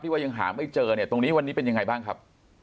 ว่ายังหาไม่เจอเนี่ยตรงนี้วันนี้เป็นยังไงบ้างครับ